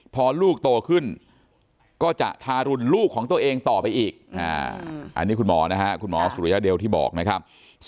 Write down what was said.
พอลูกโตขึ้นก็จะทารุณลูกของตัวเองต่อไปอีกอันนี้คุณหมอนะฮะคุณหมอสุริยเดลที่บอกนะครับ